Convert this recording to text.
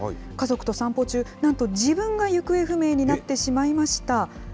家族と散歩中、なんと自分が行方不明になってしまいました。